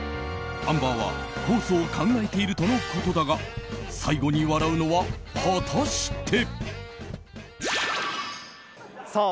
アンバーは控訴を考えているとのことだが最後に笑うのは、果たして。